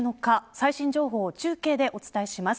最新情報を中継でお伝えします。